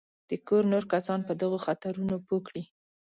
د کور نور کسان په دغو خطرونو پوه کړي.